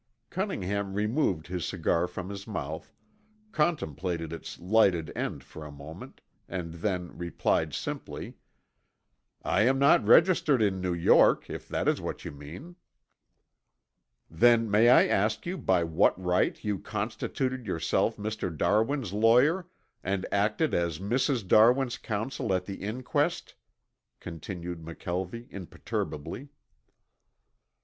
Cunningham removed his cigar from his mouth, contemplated its lighted end for a moment, and then replied simply, "I am not registered in New York, if that is what you mean." "Then may I ask by what right you constituted yourself Mr. Darwin's lawyer, and acted as Mrs. Darwin's counsel at the inquest?" continued McKelvie imperturbably.